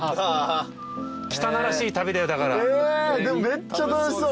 でもめっちゃ楽しそう。